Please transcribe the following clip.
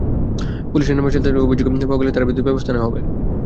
পুলিশের নামে চাঁদা নেওয়ার অভিযোগ পাওয়া গেলে তার বিরুদ্ধে ব্যবস্থা নেওয়া হবে।